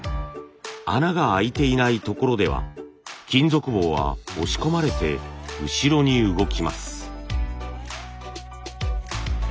穴が開いてないところでは金属棒は押し込まれて後ろに動きます。